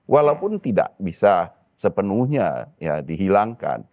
walaupun tidak bisa sepenuhnya dihilangkan